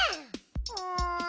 うん。